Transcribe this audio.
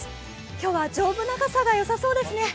今日は丈夫な傘がよさそうですね。